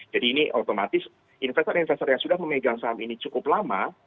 jadi ini otomatis investor investor yang sudah memegang saham ini cukup lama